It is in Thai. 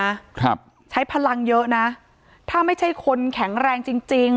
ครับใช้พลังเยอะนะถ้าไม่ใช่คนแข็งแรงจริงจริง